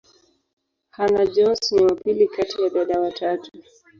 Hannah-Jones ni wa pili kati ya dada watatu.